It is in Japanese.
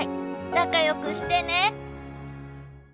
仲良くしてね。